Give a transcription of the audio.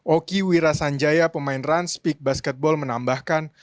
oki wirasanjaya pemain ranspik basketball menambahkan